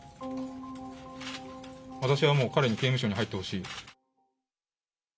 私はもう、彼に刑務所に入ってほしい。